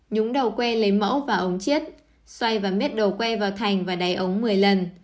nhúng đầu que lấy mẫu vào ống chiết xoay và mết đầu que vào thành và đáy ống một mươi lần